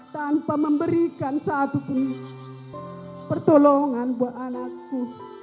tanpa memberikan satu pun pertolongan buat anakku